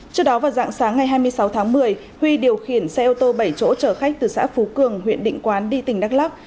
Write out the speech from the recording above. trước đó vào dạng sáng ngày hai mươi sáu tháng một mươi huy điều khiển xe ô tô bảy chỗ chở khách từ xã phú cường huyện định quán đi tỉnh đắk lắc